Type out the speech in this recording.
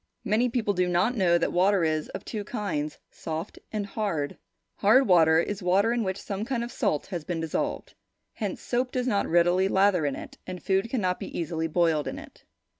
Many people do not know that water is of two kinds, soft and hard. Hard water is water in which some kind of salt has been dissolved. Hence, soap does not readily lather in it, and food cannot be easily boiled in it.